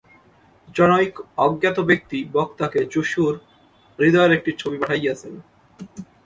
জনৈক অজ্ঞাত ব্যক্তি বক্তাকে যীশুর হৃদয়ের একটি ছবি পাঠাইয়াছেন।